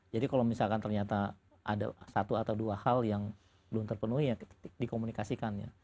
jadi kalau misalkan ternyata ada satu atau dua hal yang belum terpenuhi ya dikomunikasikannya